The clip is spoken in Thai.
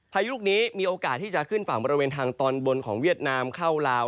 พายุลูกนี้มีโอกาสที่จะขึ้นฝั่งบริเวณทางตอนบนของเวียดนามเข้าลาว